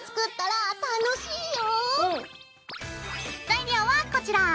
材料はこちら。